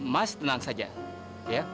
mas tenang saja ya